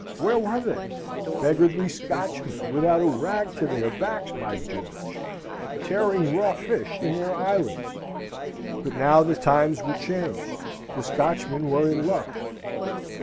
Where were they? Beggarly Scotchmen, without a rag to their backs by George! tearing raw fish in their islands. But now the times were changed. The Scotchmen were in luck.